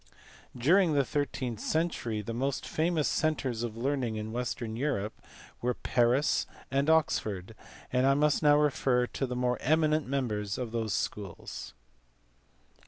During the thirteenth century the most famous centres of learning in western Europe were Paris and Oxford, and I must now refer to the more eminent members of those schools.